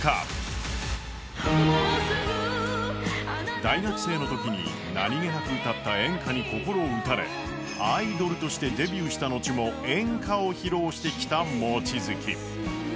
大学生のときに何気なく歌った演歌に心を打たれアイドルとしてデビューした後も演歌を披露してきた望月。